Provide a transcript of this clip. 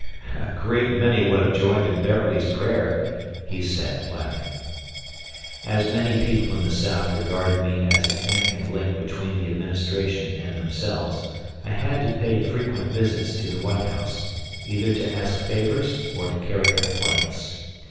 "A great many would have joined in Beverly's prayer," he said, laughing. As many people in the South regarded me as a connecting link between the administration and themselves, I had to pay frequent visits to the White House, either to ask favors or to carry complaints.